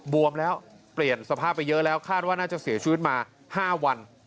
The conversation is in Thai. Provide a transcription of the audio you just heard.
บวมแล้วเปลี่ยนสภาพไปเยอะแล้วคาดว่าน่าจะเสียชีวิตมา๕วัน